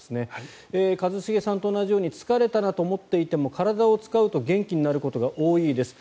一茂さんと同じように疲れたなと思っていても体を使うと元気になることが多いです。